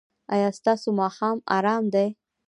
ایا ستاسو ماښام ارام دی؟